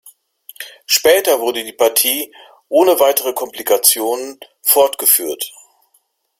Später wurde die Partie, ohne weitere Komplikationen, fortgeführt.